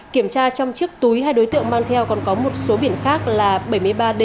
kiểm tra trong chiếc túi hai đối tượng mang theo còn có một số biển khác là bảy mươi ba